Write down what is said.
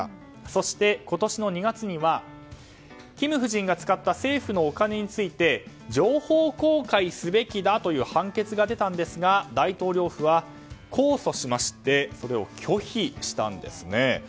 そして、今年の２月にはキム夫人が使った政府のお金について情報公開すべきだという判決が出たんですが大統領府は控訴しましてそれを拒否したんですね。